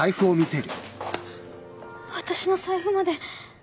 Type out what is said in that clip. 私の財布まで。